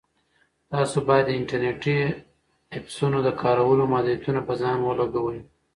تاسو باید د انټرنیټي ایپسونو د کارولو محدودیتونه په ځان ولګوئ.